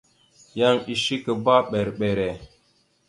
Yan eshekabámber mbere.